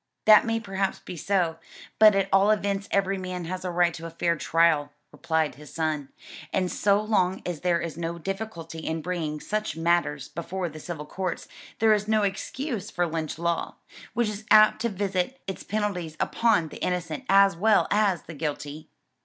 "That may perhaps be so, but at all events every man has a right to a fair trial," replied his son, "and so long as there is no difficulty in bringing such matters before the civil courts, there is no excuse for Lynch law, which is apt to visit its penalties upon the innocent as well as the guilty."